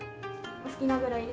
お好きなぐらいで。